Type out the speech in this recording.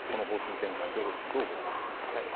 この方針転換をどうご覧にあっていますか？